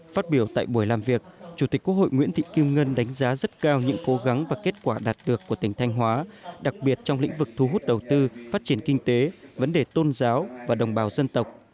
phát biểu tại buổi làm việc chủ tịch quốc hội nguyễn thị kim ngân đánh giá rất cao những cố gắng và kết quả đạt được của tỉnh thanh hóa đặc biệt trong lĩnh vực thu hút đầu tư phát triển kinh tế vấn đề tôn giáo và đồng bào dân tộc